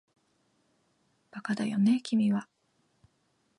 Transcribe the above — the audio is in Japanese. バカだよね君は